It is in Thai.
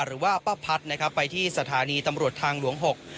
หรือว่าป้าพัดนะครับไปที่สถานีตำรวจทางหลวงหก